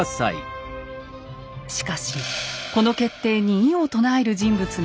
しかしこの決定に異を唱える人物が現れます。